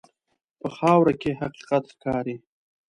په خاوره کې حقیقت ښکاري.